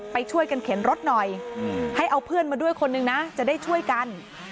ไปช่วยกันเข็นรถหน่อยให้เอาเพื่อนมาด้วยคนนึงนะจะได้ช่วยกัน